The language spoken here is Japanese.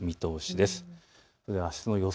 ではあすの予想